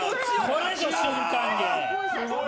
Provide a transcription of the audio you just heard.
これぞ瞬間芸。